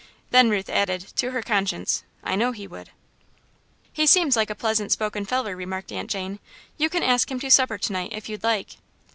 Then Ruth added, to her conscience, "I know he would." "He seems like a pleasant spoken feller," remarked Aunt Jane. "You can ask him to supper to night, if you like."